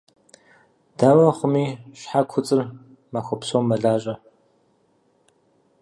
Дауэ хъуми щхьэ куцӀыр махуэ псом мэлажьэ.